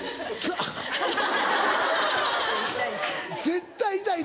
絶対痛い